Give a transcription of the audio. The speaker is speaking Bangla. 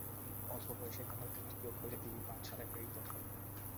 অল্প বয়েসেই তাঁহার পিতৃবিয়োগ হইলে তিনি পাঠশালায় প্রেরিত হন।